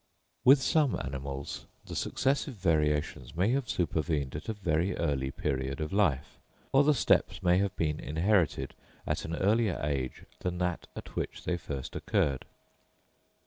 With some animals the successive variations may have supervened at a very early period of life, or the steps may have been inherited at an earlier age than that at which they first occurred.